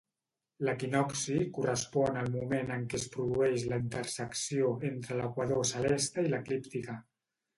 L'equinocci correspon al moment en què es produeix la intersecció entre l'equador celeste i l'eclíptica.